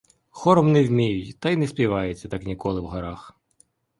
Хором не вміють та й не співається так ніколи в горах.